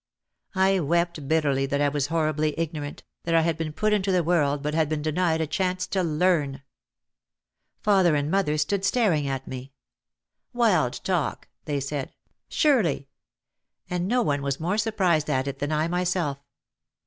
I wept bitterly that I was horribly ignorant, that I had been put into the world but had been denied a chance to learn. Father and mother stood staring at me. "Wild talk," they said. Surely! And no one was more surprised at it than I myself.